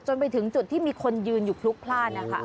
ไปถึงจุดที่มีคนยืนอยู่พลุกพลาดนะคะ